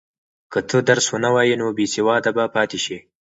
که ته درس ونه وایې نو بېسواده به پاتې شې.